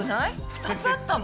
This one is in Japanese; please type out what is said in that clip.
２つあったの？